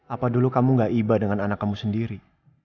apa dulu kamu gak iba dengan anak kamu sendiri